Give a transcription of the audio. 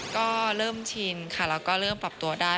ก็เริ่มชินค่ะแล้วก็เริ่มปรับตัวได้